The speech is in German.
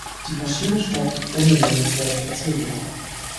Die Maschine stoppt ohne nennenswerte Verzögerung.